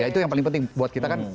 jadi itu paling penting buat kita kan